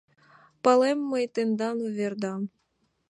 — Палем мый тендан увердам!